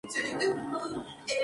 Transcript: vosotros no bebíais